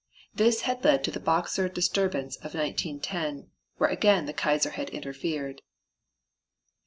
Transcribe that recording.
This had led to the Boxer disturbance of 1910, where again the Kaiser had interfered.